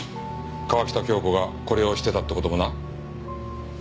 川喜多京子がこれをしてたって事もな。